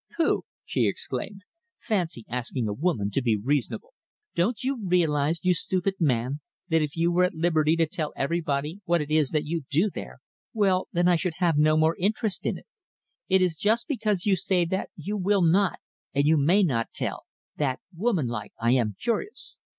"Pooh!" she exclaimed. "Fancy asking a woman to be reasonable! Don't you realise, you stupid man, that if you were at liberty to tell everybody what it is that you do there, well, then I should have no more interest in it? It is just because you say that you will not and you may not tell, that, womanlike, I am curious."